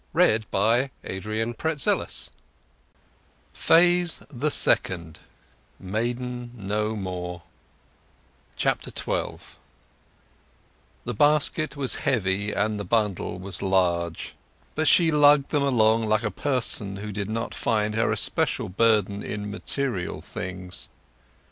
End of Phase the First Phase the Second: Maiden No More XII The basket was heavy and the bundle was large, but she lugged them along like a person who did not find her especial burden in material things.